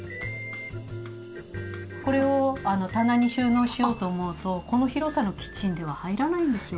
これを棚に収納しようと思うとこの広さのキッチンでは入らないんですよ。